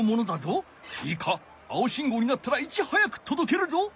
いいか青しんごうになったらいち早くとどけるぞ。